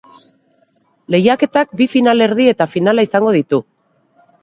Lehiaketak bi finalerdi eta finala izango ditu.